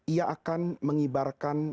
ia akan mengibarkan